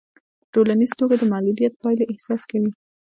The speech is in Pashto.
په ټولیزه توګه د معلوليت پايلې احساس کوي.